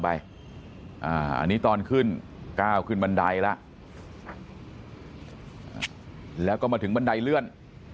อันนี้ตอนขึ้นก้าวขึ้นบันไดแล้วแล้วก็มาถึงบันไดเลื่อน